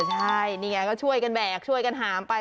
ใช่นี่ไงก็ช่วยกันแบกช่วยกันหามไป